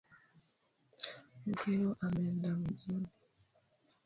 Mkeo ameenda mjini